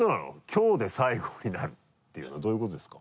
きょうで最後になるっていうのはどういうことですか？